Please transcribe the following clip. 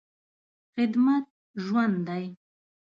خدمت ژوند دی.